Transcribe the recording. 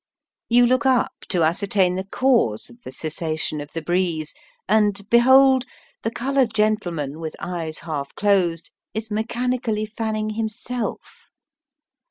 You look up to ascertain the cause of the cessation of the breeze, and, behold ! the coloured gentleman, with eyes half closed, is mechanically fanning himself.